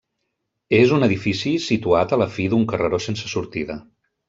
És un edifici situat a la fi d'un carreró sense sortida.